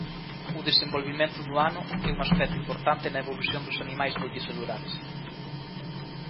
O desenvolvemento do ano é un aspecto importante na evolución dos animais multicelulares.